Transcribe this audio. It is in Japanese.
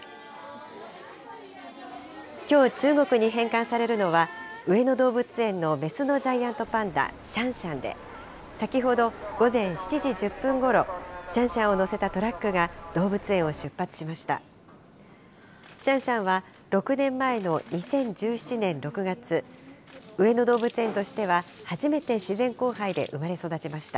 きょう、中国に返還されるのは、上野動物園の雌のジャイアントパンダ、シャンシャンで、先ほど午前７時１０分ごろ、シャンシャンを乗せたトラックが動物園を出発しました。